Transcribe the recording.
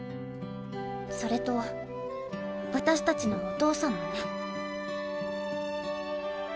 それと私達のお父さんもね。